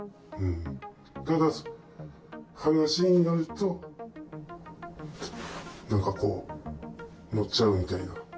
ただ、話になると、なんかこう、乗っちゃうみたいな。